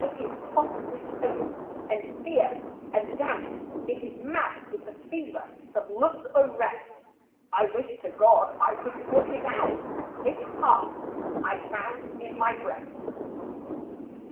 It is tossed with hope, and fear, and doubt, It is mad with the fever of love's unrest, I wish to God I could pluck it out This heart I found in my breast.